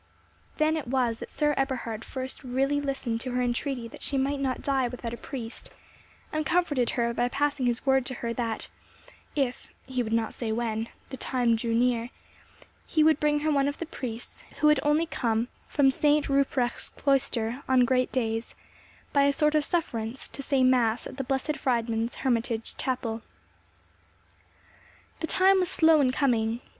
Then it was that Sir Eberhard first really listened to her entreaty that she might not die without a priest, and comforted her by passing his word to her that, if—he would not say when—the time drew near, he would bring her one of the priests who had only come from St. Ruprecht's cloister on great days, by a sort of sufferance, to say mass at the Blessed Friedmund's hermitage chapel. The time was slow in coming.